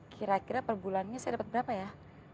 kira kira perbulannya saya dapat berapa ya